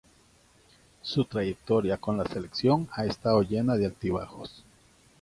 Su trayectoria con la selección ha estado llena de altibajos.